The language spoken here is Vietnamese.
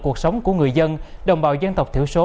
cuộc sống của người dân đồng bào dân tộc thiểu số